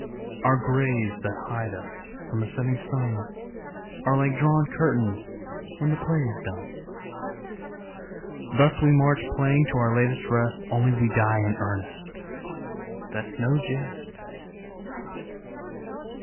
Our graves that hide us from the setting sun Are like drawn curtains when the play is done. Thus march we, playing, to our latest rest, Only we die in earnest, that's no jest.